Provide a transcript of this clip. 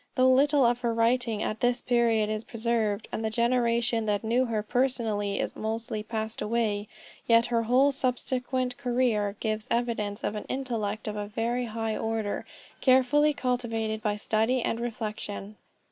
Though little of her writing at this period is preserved, and the generation that knew her personally is mostly passed away, yet her whole subsequent career gives evidence of an intellect of a very high order, carefully cultivated by study and reflection.